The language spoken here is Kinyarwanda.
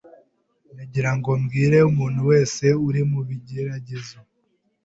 Ndagirango mbwire umuntu wese uri mu bigeragezo